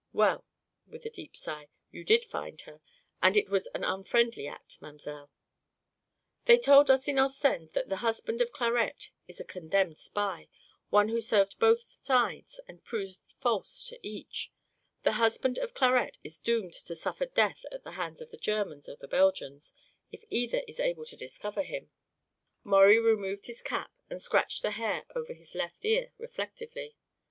Well," with a deep sigh, "you did find her. It was an unfriendly act, mamselle." "They told us in Ostend that the husband of Clarette is a condemned spy, one who served both sides and proved false to each. The husband of Clarette is doomed to suffer death at the hands of the Germans or the Belgians, if either is able to discover him." Maurie removed his cap and scratched the hair over his left ear reflectively.